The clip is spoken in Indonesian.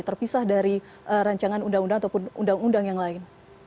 terpisah dari rancangan undang undang ataupun undang undang yang lain